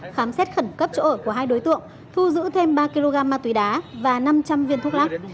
khám xét khẩn cấp chỗ ở của hai đối tượng thu giữ thêm ba kg ma túy đá và năm trăm linh viên thuốc lắc